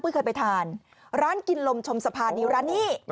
เคยไปทานร้านกินลมชมสะพานิวร้านนี้